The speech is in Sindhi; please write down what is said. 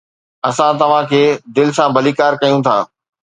اسان توهان کي دل سان ڀليڪار ڪيون ٿا